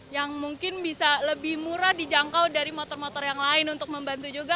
yang mungkin bisa lebih murah dijangkau dari motor motor yang lain untuk membantu juga